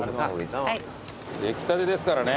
出来たてですからね。